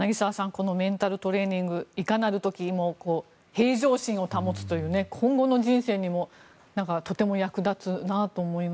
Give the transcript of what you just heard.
このメンタルトレーニングいかなる時も平常心を保つという今後の人生にもとても役立つなと思います。